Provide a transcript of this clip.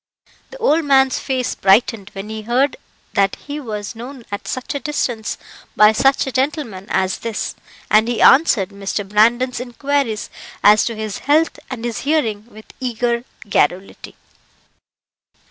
The old man's face brightened when he heard that he was known at such a distance by such a gentleman as this, and he answered Mr. Brandon's inquiries as to his health and his hearing with eager garrulity.